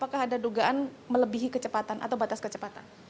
kecepatan atau batas kecepatan